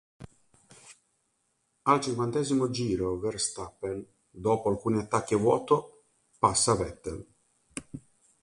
Al cinquantesimo giro Verstappen, dopo alcuni attacchi a vuoto, passa Vettel.